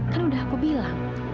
kan udah aku bilang